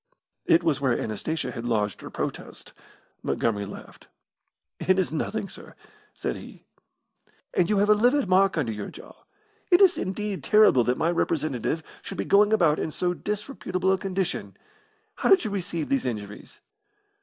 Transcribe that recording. It was where Anastasia had lodged her protest. Montgomery laughed. "It is nothing, sir," said he. "And you have a livid mark under your jaw. It is, indeed, terrible that my representative should be going about in so disreputable a condition. How did you receive these injuries?"